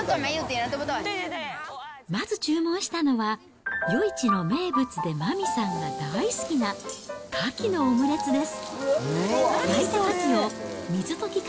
まず注文したのは、夜市の名物で麻美さんが大好きなカキのオムレツです。